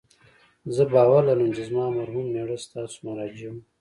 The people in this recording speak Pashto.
زه باور لرم چې زما مرحوم میړه ستاسو مراجع و